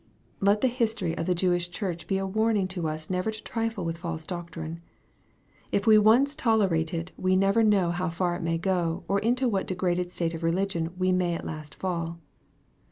Let the history of the Jewish church be a warning to us never to trifle with false doctrine. If we once tolerate it we never know how far it may go, or into what de graded state of religion we may at last fall.